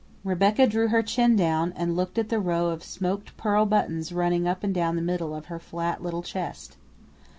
Rebecca drew her chin down and looked at the row of smoked pearl buttons running up and down the middle of her flat little chest.